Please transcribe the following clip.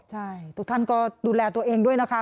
ใช่ทุกท่านก็ดูแลตัวเองด้วยนะคะ